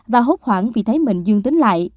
và hốt khoảng vì thấy mình dương tính lại